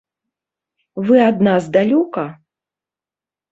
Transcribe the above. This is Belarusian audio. Вы ад нас далёка?